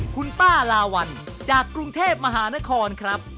คุณป้าลาวัลจากกรุงเทพมหานครครับ